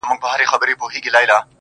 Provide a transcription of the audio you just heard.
مثبت فکر د خوښۍ راز دی.